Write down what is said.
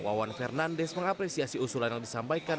wawan fernandes mengapresiasi usulan yang disampaikan